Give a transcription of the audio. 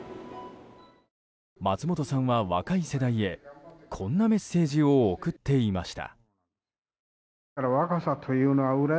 松本さんは若い世代へ、こんなメッセージを送っていました。